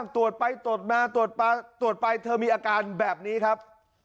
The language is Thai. ตรวจไปตรวจมาตรวจไปเธอมีอาการแบบนี้ครับ